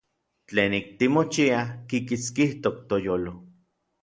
Tlenik timochiaj kikitskijtok n toyolo.